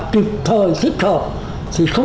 kịp thời xích thở